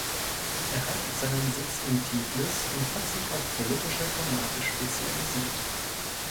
Er hat seinen Sitz in Tiflis und hat sich auf politische Formate spezialisiert.